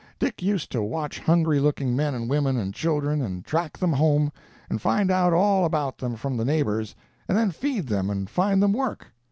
Dick used to watch hungry looking men and women and children, and track them home, and find out all about them from the neighbors, and then feed them and find them work.